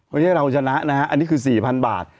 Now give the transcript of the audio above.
ไม่ใช่เราชนะนะอันนี้คือ๔๐๐๐บาท